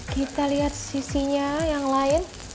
kita lihat sisinya yang lain